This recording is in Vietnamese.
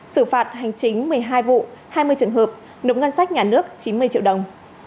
xử phạt hành chính một mươi hai vụ hai mươi trường hợp nộp ngân sách nhà nước chín mươi triệu đồng